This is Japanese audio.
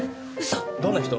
どんな人？